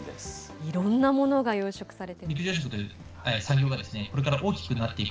いろんなものが養殖されて。